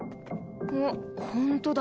あっホントだ。